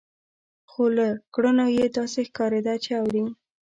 خو له کړنو يې داسې ښکارېده چې اوري.